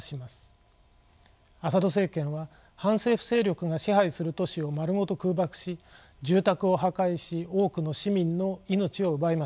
アサド政権は反政府勢力が支配する都市を丸ごと空爆し住宅を破壊し多くの市民の命を奪いました。